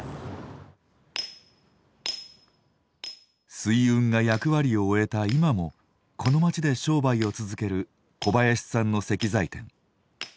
水運が役割を終えた今もこの街で商売を続ける小林さんの石材店。